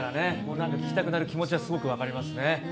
なんか聞きたくなる気持ちはすごく分かりますね。